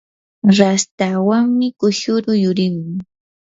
rashtawanmi kushuru yurimun.